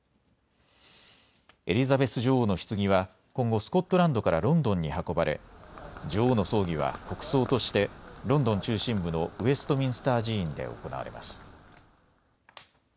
エリザベス女王のひつぎは今後、スコットランドからロンドンに運ばれ女王の葬儀は国葬としてロンドン中心部のウェストミンスター寺院で行われます。